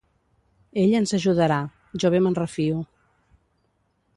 Ell ens ajudarà: jo bé me'n refio.